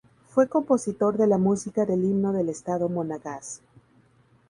Fue compositor de la música del Himno del Estado Monagas.